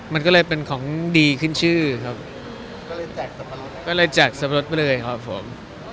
มันก็เลยเป็นของดีขึ้นชื่อครับก็เลยจากสัปปะรดไปเลยครับผม